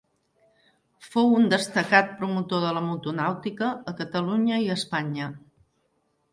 Fou un destacat promotor de la motonàutica a Catalunya i a Espanya.